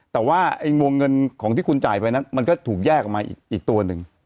แต่ว่าไอ้วงเงินของที่คุณจ่ายไปนั้นมันก็ถูกแยกออกมาอีกตัวหนึ่ง